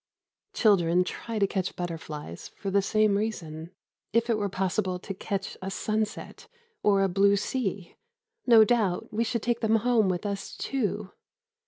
Children try to catch butterflies for the same reason. If it were possible to catch a sunset or a blue sea, no doubt we should take them home with us, too.